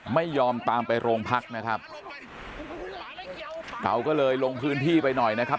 ไม่ยอมตามไปโรงพักนะครับเราก็เลยลงพื้นที่ไปหน่อยนะครับ